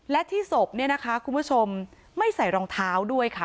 และที่ศพเนี่ยนะคะคุณผู้ชมไม่ใส่รองเท้าด้วยค่ะ